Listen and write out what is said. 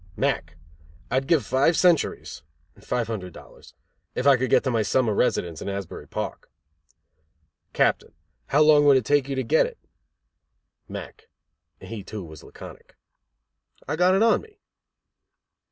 Mack: I'd give five centuries (five hundred dollars) if I could get to my summer residence in Asbury Park. Captain: How long would it take you to get it? Mack: (He, too, was laconic.) I got it on me.